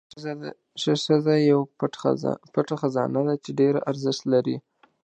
ښه ښځه یو پټ خزانه ده چې ډېره ارزښت لري.